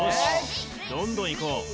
どんどんいこう。